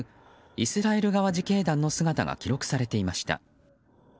イスラエル側自警団の姿が記録されていました。